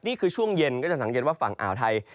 นี่คือช่วงเย็นก็จะสังเกตว่าฝั่งอ่าวไทย